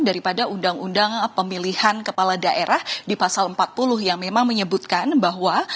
daripada undang undang pemilihan kepala daerah di pasal empat puluh yang memang menyebutkan bahwa